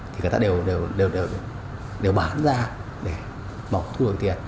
thì người ta đều bán ra để bỏ thu hồi tiền